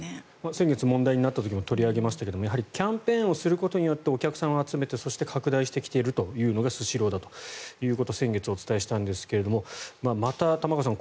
先月問題になった時も取り上げましたけれどやはりキャンペーンをすることによってお客さんを集めてそして拡大してきているというのがスシローだということを先月お伝えしたんですがまた、玉川さん